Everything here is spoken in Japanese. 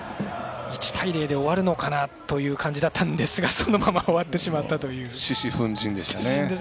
１対０で終わるのかなという感じだったんですがそのまま終わってしまったという。